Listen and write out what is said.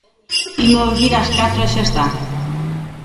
Imos vir ás catro e xa está.